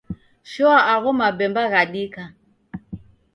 Shoa agho mapemba ghadika.